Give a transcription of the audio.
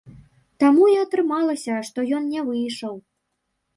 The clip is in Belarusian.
Таму і атрымалася, што ён не выйшаў.